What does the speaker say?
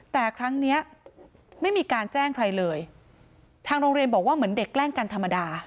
แต่ครั้งเนี้ยไม่มีการแจ้งใครเลยทางโรงเรียนบอกว่าเหมือนเด็กแกล้งกันธรรมดา